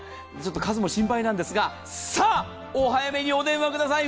数も心配なんですがさあ、お早めにお電話ください。